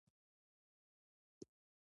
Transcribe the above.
افغانستان له پکتیکا ډک دی.